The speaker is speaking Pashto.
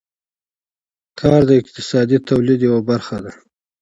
کار د اقتصادي تولید یوه برخه ده.